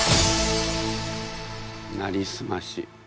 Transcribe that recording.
「なりすまし」。